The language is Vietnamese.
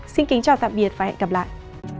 xin kính chào tạm biệt và hẹn gặp lại